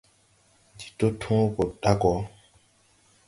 Ndi to tõõ go ɗa go.